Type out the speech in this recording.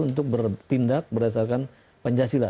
untuk bertindak berdasarkan pancasila